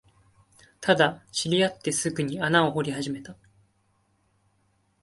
ただ、知り合ってすぐに穴を掘り始めた